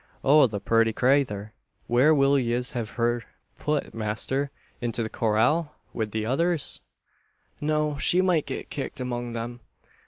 Oh! the purty crayther! Where will yez hiv her phut, masther? Into the corral, wid the others?" "No, she might get kicked among them.